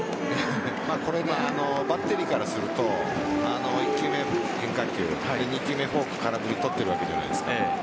バッテリーからすると１球目、変化球２球目フォーク空振り取ってるわけじゃないですか。